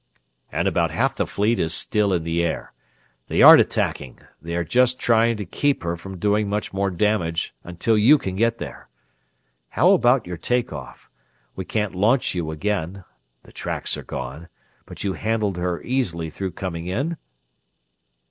"... and about half the fleet is still in the air. They aren't attacking; they are just trying to keep her from doing much more damage until you can get there. How about your take off? We can't launch you again the tracks are gone but you handled her easily enough coming in?"